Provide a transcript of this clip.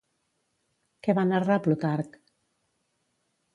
Què va narrar Plutarc?